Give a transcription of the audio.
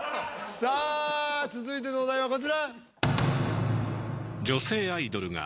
さあ続いてのお題はこちら。